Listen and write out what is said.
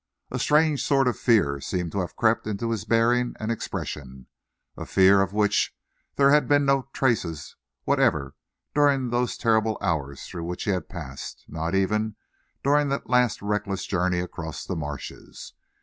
A strange sort of fear seemed to have crept into his bearing and expression, a fear of which there had been no traces whatever during those terrible hours through which he had passed not even during that last reckless journey across the marshes.